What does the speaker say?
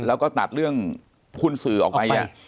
แล้วก็ตัดเรื่องหุ้นสื่อออกไปไง